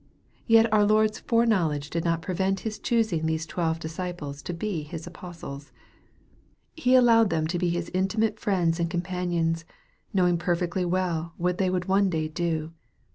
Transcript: Yet our Lord's fore knowledge did not prevent His choosing these twelve disciples to be His apostles. He allowed them to be His intimate friends and com panions, knowing perfectly well what they would one day do.